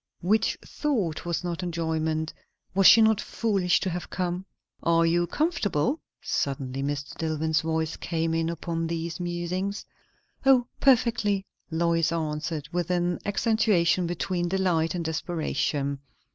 Which thought was not enjoyment. Was she not foolish to have come? "Are you comfortable?" suddenly Mr. Dillwyn's voice came in upon these musings. "O, perfectly!" Lois answered, with an accentuation between delight and desperation.